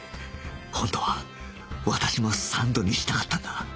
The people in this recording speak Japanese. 本当は私もサンドにしたかったんだ